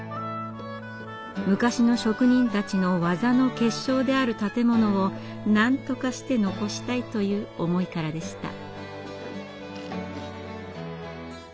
昔の職人たちの技の結晶である建物をなんとかして残したいという思いからでした。